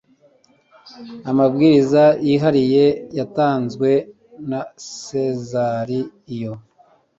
amabwiriza yihariye yatanzwe na sezari iyo